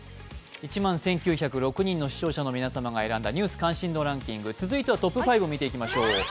１万１９０６人の視聴者が選んだ「ニュース関心度ランキング」続いてはトップ５を見ていきましょう。